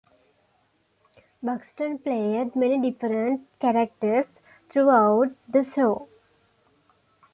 Buxton played many different characters throughout the show.